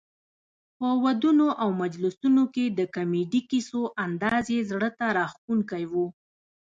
په ودونو او مجلسونو کې د کمیډي کیسو انداز یې زړه ته راښکوونکی وو.